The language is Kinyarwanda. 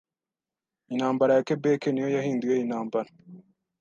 Intambara ya Québec niyo yahinduye intambara.